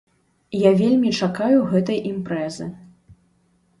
Я вельмі чакаю гэтай імпрэзы.